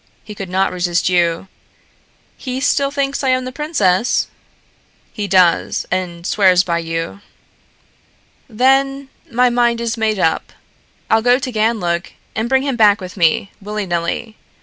He could not resist you." "He still thinks I am the princess?" "He does, and swears by you." "Then, my mind is made up. I'll go to Ganlook and bring him back with me, willy nilly.